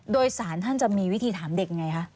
โดยสารท่านจะมีวิธีถามเด็กไงคะ